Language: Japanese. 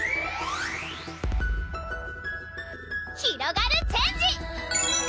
ひろがるチェンジ！